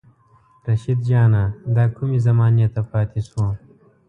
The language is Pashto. رشيد جانه دا کومې زمانې ته پاتې شو